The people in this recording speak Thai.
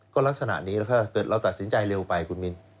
ก็ลักษณะนี้แล้วถ้าเกิดเราตัดสินใจเร็วไปคุณมิน